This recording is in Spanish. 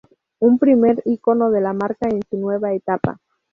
Un primer icono de la marca en su nueva etapa.